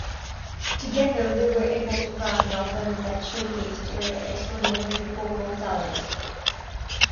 Together they were able to craft an album that showcased her extraordinary vocal talents.